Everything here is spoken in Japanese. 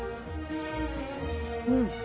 うん！